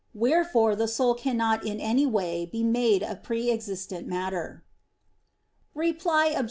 Wherefore the soul cannot in any way be made of pre existent matter. Reply Obj.